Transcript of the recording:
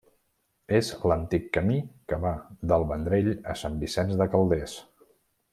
És a l'antic camí que va del Vendrell a Sant Vicenç de Calders.